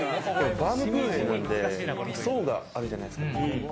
バームクーヘンなので層があるじゃないですか。